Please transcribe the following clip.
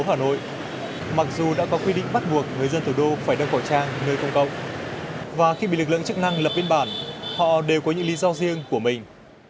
trong đường trường các nhà hàng bắt đầu đưa khẩu trang đến phố hà nội mặc dù đã có quy định bắt buộc người dân thủ đô phải đeo khẩu trang nơi công cộng và khi bị lực lượng chức năng lập biên bản họ đều có những lý do riêng của mình